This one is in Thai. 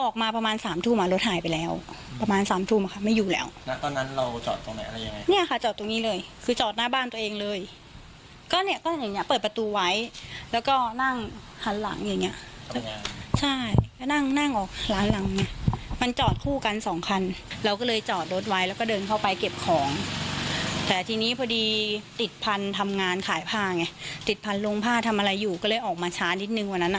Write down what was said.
ขายผ้าไงติดพันธุ์ลงผ้าทำอะไรอยู่ก็เลยออกมาช้านิดนึงวันนั้น